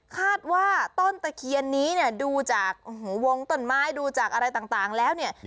คาดว่าต้นตะเคียนนี้เนี่ยดูจากวงต้นไม้ดูจากอะไรต่างแล้วเนี่ย